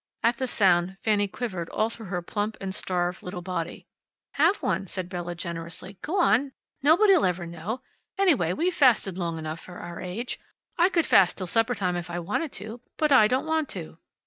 At the sound Fanny quivered all through her plump and starved little body. "Have one," said Bella generously. "Go on. Nobody'll ever know. Anyway, we've fasted long enough for our age. I could fast till supper time if I wanted to, but I don't want to."